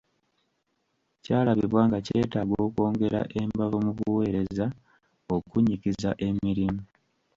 Kyalabibwa nga kyetaaga okwongera embavu mu buweereza, okunnyikiza emirimu.